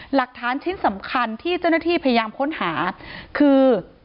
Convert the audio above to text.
หลักฐานชิ้นสำคัญที่เจ้าหน้าที่พยายามค้นหาคือ